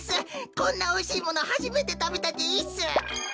こんなおいしいものはじめてたべたです！